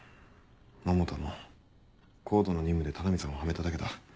百田もＣＯＤＥの任務で田波さんをはめただけだ。